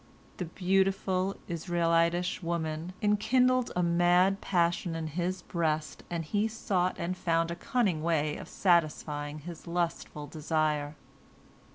The beautiful Israelitish woman enkindled a mad passion in his breast, and he sought and found a cunning way of satisfying his lustful desire.